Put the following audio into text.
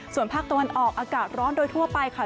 ส่วนภาคตะวันออกอากาศร้อนโดยทั่วไปค่ะ